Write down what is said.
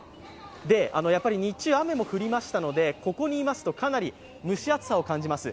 で、日中も雨も降りましたのでここにいますとかなり蒸し暑さを感じます。